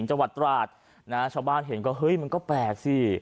ชาวบ้านเห็นก็เฮ้ยมันก็แปลกสิ